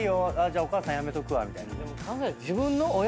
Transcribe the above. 「じゃあお母さんやめとくわ」みたいな。